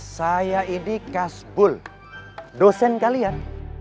saya ini kasbul dosen kalian